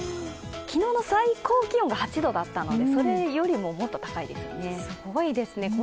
昨日の最高気温が８度だったので、それよりももっと高いですね。